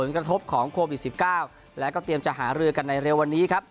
กระทบของโควิด๑๙แล้วก็เตรียมจะหารือกันในเร็ววันนี้ครับ